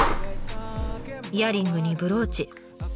イヤリングにブローチ。